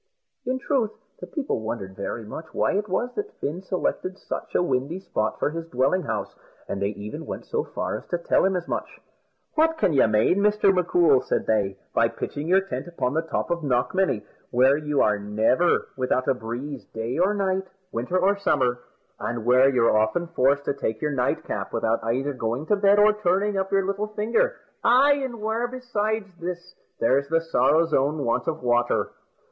In truth, the people wondered very much why it was that Fin selected such a windy spot for his dwelling house, and they even went so far as to tell him as much. "What can you mane, Mr. M'Coul," said they, "by pitching your tent upon the top of Knockmany, where you never are without a breeze, day or night, winter or summer, and where you're often forced to take your nightcap without either going to bed or turning up your little finger; ay, an' where, besides this, there's the sorrow's own want of water?"